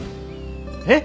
えっ！？